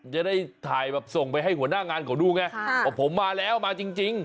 จะได้ถ่ายแบบส่งไปให้หัวหน้างานเขาดูไงว่าผมมาแล้วมาจริง